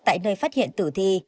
tại nơi phát hiện tử thi